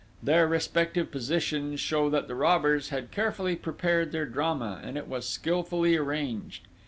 Their respective positions show that the robbers had carefully prepared their drama, and it was skilfully arranged.